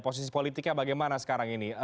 posisi politiknya bagaimana sekarang ini